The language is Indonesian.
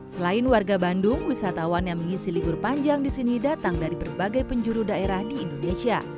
selain warga bandung wisatawan yang mengisi libur panjang di sini datang dari berbagai penjuru daerah di indonesia